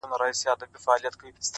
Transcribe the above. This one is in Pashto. له شپږو مياشتو څه درد “درد يمه زه”